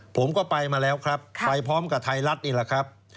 ผมก็ไปมาแล้วครับไปพร้อมกับไทยรัฐนี่แหละครับ